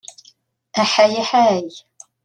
Aḥay aḥay!